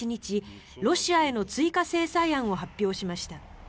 ロシアへの追加制裁案を発表しました。